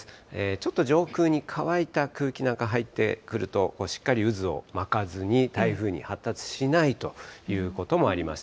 ちょっと上空に乾いた空気なんか入ってくると、しっかり渦を巻かずに台風に発達しないということもあります。